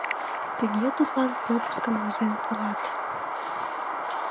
Тыге тудлан пропускым возен пуат.